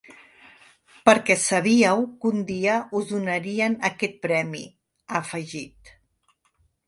Perquè sabíeu que un dia us donarien aquest premi, ha afegit.